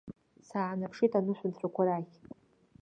Саанаԥшит анышәынҭрақәа рахь.